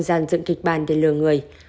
dàn dựng kịch bàn để lừa người